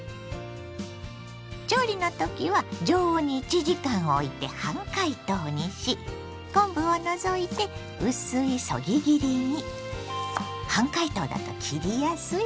調理の時は常温に１時間おいて半解凍にし昆布を除いて薄いそぎ切りに。